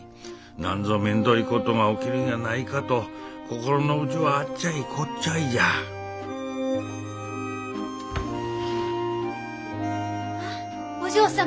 何ぞめんどいことが起きるんやないかと心の内はあっちゃいこっちゃいじゃあっお嬢様。